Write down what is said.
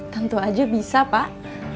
tentu aja bisa pak